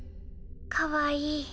かわいい。